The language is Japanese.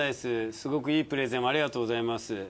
すごくいいプレゼンをありがとうございます。